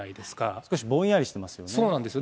少しぼんやりしてますよね。